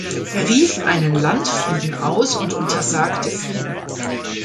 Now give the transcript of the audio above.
Er rief einen Landfrieden aus und untersagte Fehden.